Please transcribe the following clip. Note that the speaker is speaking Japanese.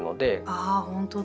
あほんとだ。